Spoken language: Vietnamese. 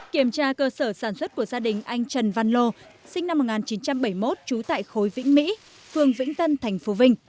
kiểm tra cơ sở sản xuất của gia đình anh trần văn lô sinh năm một nghìn chín trăm bảy mươi một trú tại khối vĩnh mỹ phường vĩnh tân thành phố vinh